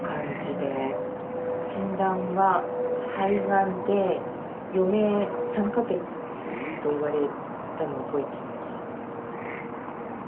診断は肺がんで余命３か月と言われたのを覚えています。